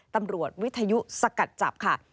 ตำรวจวิทยุสกัดจับค่ะ